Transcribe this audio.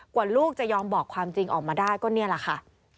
กว่าลูกจะยอมบอกความจริงออกมาได้ก็นี่แหละค่ะ